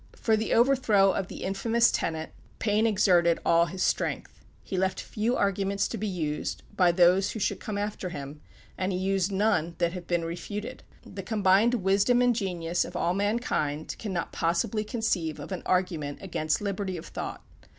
For the overthrow of the infamous tenet, Paine exerted; all his strength. He left few arguments to be used by those who should come after him, and he used none that have been refuted. The combined wisdom and genius of all mankind cannot possibly conceive of an argument against liberty of thought.